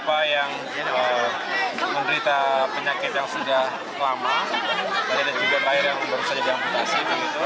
ada juga yang baru saja diamputasi